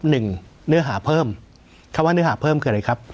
เนื้อหาเพิ่มคำว่าเนื้อหาเพิ่มคืออะไรครับ